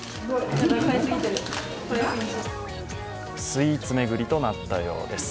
スイーツ巡りとなったようです。